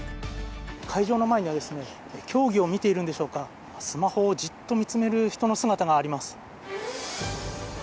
会場の前には、競技を見ているんでしょうか、スマホをじっと見つめる人の姿があります。